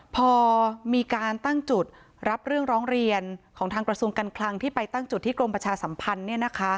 พอมีการตั้งจุดรับเรื่องร้องเรียนของทางกระทรวงการคลังที่ไปตั้งจุดที่กรมประชาสัมพันธ์